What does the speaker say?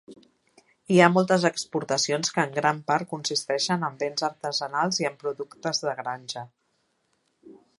Hi ha moltes exportacions que en gran part consisteixen en béns artesanals i en productes de granja.